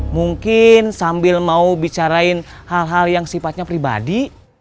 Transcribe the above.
mungkin sambil mau bicarain hal hal yang sifatnya pribadi